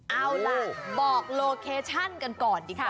เอาล่ะบอกโลเคชั่นกันก่อนดีค่ะ